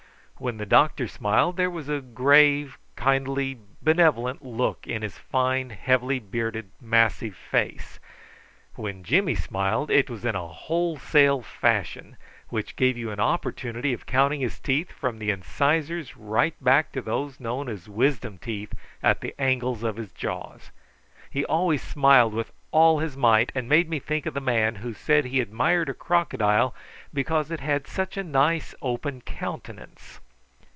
When the doctor smiled there was a grave kindly benevolent look in his fine heavily bearded massive face. When Jimmy smiled it was in a wholesale fashion, which gave you an opportunity of counting his teeth from the incisors right back to those known as wisdom teeth at the angles of his jaws. He always smiled with all his might and made me think of the man who said he admired a crocodile because it had such a nice open countenance.